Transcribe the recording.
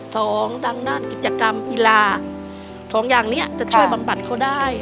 สองดังด้านกิจกรรมกีฬาสองอย่างเนี้ยจะช่วยบำบัดเขาได้